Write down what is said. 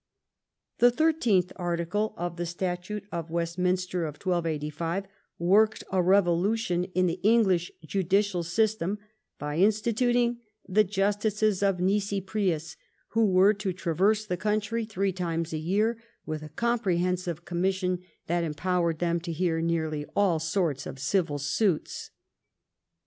The thirtieth article of the Statute of Westminster of 1285 worked a revolution in the English judicial system by instituting the justices of nisi prius, who were to traverse the country three times a year with a compre hensive commission that empowered them to hear nearly all sorts of civil suits.